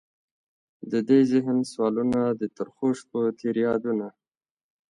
ددې د ذهن سوالونه، د ترخوشپوتیر یادونه